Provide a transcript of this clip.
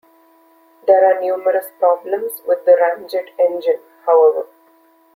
There are numerous problems with the ramjet engine, however.